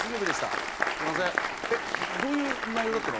「えっどういう内容だったの？」。